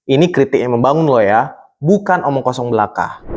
ini kritiknya membangun loh ya bukan omong kosong belaka